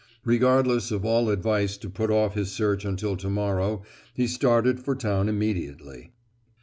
Regardless of all advice to put off his search until to morrow he started for town immediately.